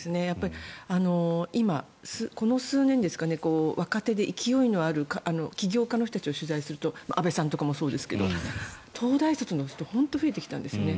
今、この数年ですかね若手で勢いのある人たちを取材すると、安部さんとかもそうですけど東大卒の人本当に増えてきたんですよね。